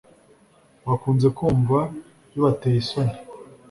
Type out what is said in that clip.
bakunze kumva bibateye isoni,